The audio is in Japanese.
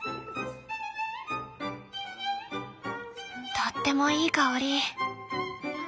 とってもいい香り。